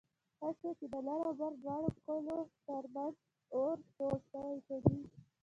ښه شو چې د لر او بر دواړو کلو ترمنځ اور سوړ شو کني...